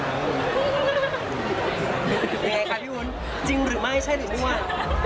ยังไงคะพี่วุ้นจริงหรือไม่ใช่หรือมั่ว